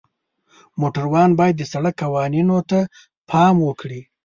موټروان باید د سړک قوانینو ته پام وکړي.